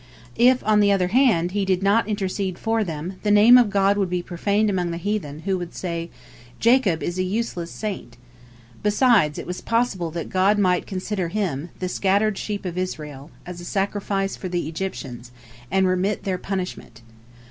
If, on the other hand, he did not intercede for them, the Name of God would be profaned among the heathen, who would say, "Jacob is a useless saint!" Besides, it was possible that God might consider him, the "scattered sheep" of Israel, as a sacrifice for the Egyptians, and remit their punishment.